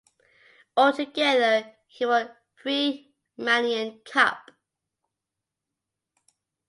Altogether he won three Malian Cup.